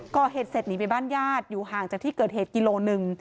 ก่อเหตุเสร็จหนีไปบ้านญาติอยู่ห่างจากที่เกิดเหตุกิโลหนึ่ง